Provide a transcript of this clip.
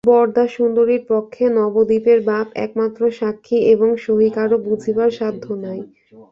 বরদাসুন্দরীর পক্ষে নবদ্বীপের বাপ একমাত্র সাক্ষী এবং সহি কারো বুঝিবার সাধ্য নাই।